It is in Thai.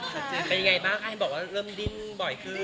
จริงเป็นยังไงบ้างไอ้บอกว่าเริ่มดิ้นบ่อยขึ้น